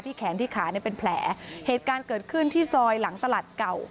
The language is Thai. แขนที่ขาเนี่ยเป็นแผลเหตุการณ์เกิดขึ้นที่ซอยหลังตลาดเก่า